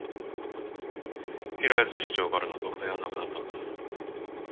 平安次長からの特命はなくなったんだ。